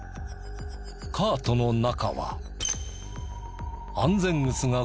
カートの中は。